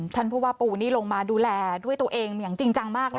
ท่านผู้ว่าปูนี่ลงมาดูแลด้วยตัวเองอย่างจริงจังมากเลย